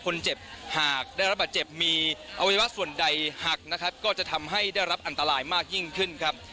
คนเจ็บหากได้รับบาดเจ็บมีอวัยวะส่วนใดหักนะครับก็จะทำให้ได้รับอันตรายมากยิ่งขึ้นครับ